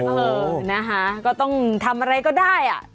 เออนะคะก็ต้องทำอะไรก็ได้อ่ะ